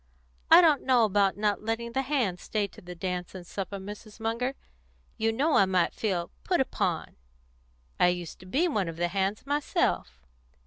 I don't know about not letting the hands stay to the dance and supper, Mrs. Munger. You know I might feel 'put upon.' I used to be one of the hands myself.